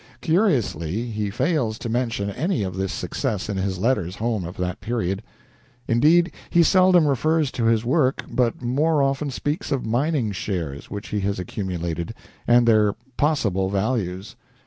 Curiously, he fails to mention any of this success in his letters home of that period. Indeed, he seldom refers to his work, but more often speaks of mining shares which he has accumulated, and their possible values.